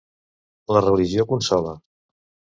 La religió consola.